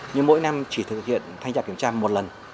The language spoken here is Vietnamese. nhưng mỗi năm chỉ thực hiện thanh tra kiểm tra một lần